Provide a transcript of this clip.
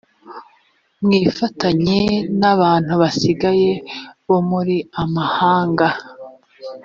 mwifatanye n’abantu basigaye bo muri mahanga